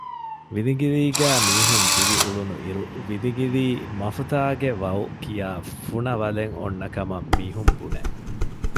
ވިލިގިލީގައި މީހުން ދިރިއުޅުނު އިރު ވިލިގިލީ މަފުތާގެ ވައު ކިޔާ ފުނަވަލެއް އޮންނަކަމަށް މީހުން ބުނެ